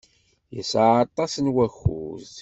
Yesɛa aṭas n wakud.